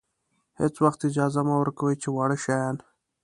هېڅ وخت اجازه مه ورکوئ چې واړه شیان.